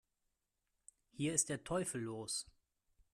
Hier ist der Teufel los!